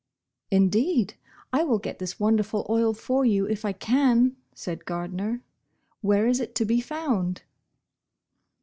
" Indeed I will oret this wonderful oil for vou if I can," said Gardner. " Where is it to be found